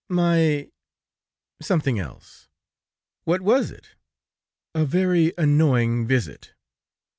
"My ... something else." "What was it? "A very annoying visit."